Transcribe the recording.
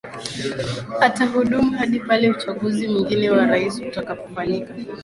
Atahudumu hadi pale uchaguzi mwingine wa urais utakapofanyika